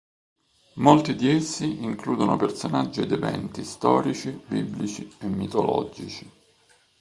Molti di essi includono personaggi ed eventi storici, biblici e mitologici.